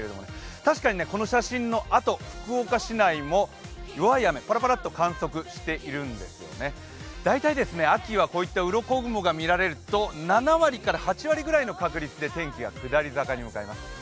確かにこの写真のあと福岡市内も弱い雨パラパラッと観測しているんですよね大体秋はこういったうろこ雲が見られると７割か８割くらいの確率で天気が下り坂に向かいます。